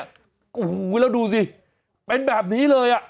แล้วดูสิเป็นแบบนี้เลย